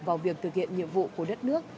vào việc thực hiện nhiệm vụ của đất nước